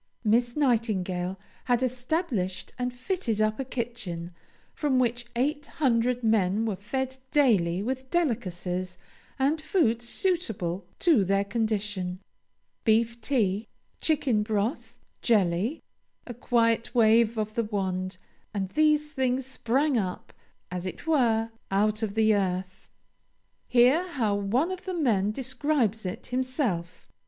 Miss Nightingale had established and fitted up a kitchen, from which eight hundred men were fed daily with delicacies and food suitable to their condition. Beef tea, chicken broth, jelly a quiet wave of the wand, and these things sprang up, as it were, out of the earth. Hear how one of the men describes it himself.